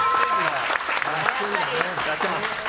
やってます。